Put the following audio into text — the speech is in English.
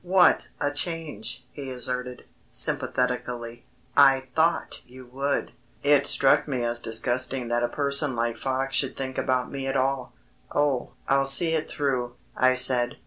"What a change," he asserted, sympathetically, "I thought you would." It struck me as disgusting that a person like Fox should think about me at all. "Oh, I'll see it through," I said.